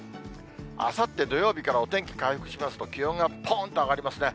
あさって土曜日からお天気回復しますと、気温がぽんと上がりますね。